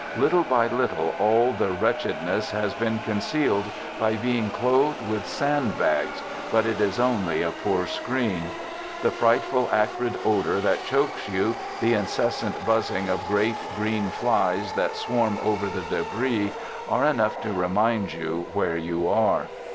Little by little, all the wretched ness has been concealed by being clothed with sand bags, but it is only a poor screen. The frightful acrid odor that chokes you, the incessant buzzing of great green flies that swarm over the debris, are enough to remind you where you are.